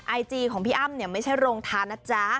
ไอจีของพี่อ้ำเนี่ยไม่ใช่โรงทานนะจ๊ะ